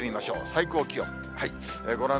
最高気温。